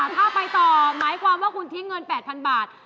ถ้าไปต่อหมายความว่าคุณทิ้งเงิน๘๐๐๐บาท